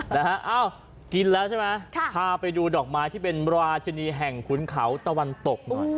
นะฮะอ้าวกินแล้วใช่ไหมพาไปดูดอกไม้ที่เป็นราชินีแห่งขุนเขาตะวันตกหน่อย